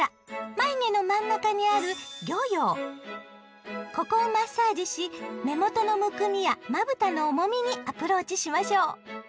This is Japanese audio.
眉毛の真ん中にあるここをマッサージし目元のむくみやまぶたの重みにアプローチしましょう。